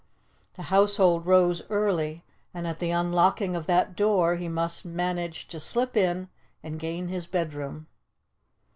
The household rose early, and at the unlocking of that door he must manage to slip in and gain his bedroom.